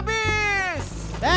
waduh dese manyong juga